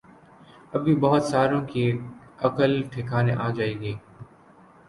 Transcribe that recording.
اب بھی بہت ساروں کی عقل ٹھکانے آجائے گی